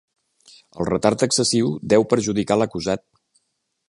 El retard excessiu deu perjudicar l'acusat.